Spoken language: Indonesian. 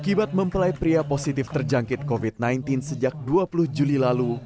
akibat mempelai pria positif terjangkit covid sembilan belas sejak dua puluh juli lalu